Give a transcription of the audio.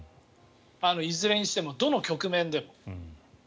いずれにしても、どの局面でも。